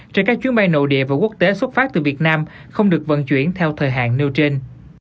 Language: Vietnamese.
trên các chuyến bay nội địa và quốc tế xuất phát từ việt nam không được vận chuyển theo thời hạn nêu trên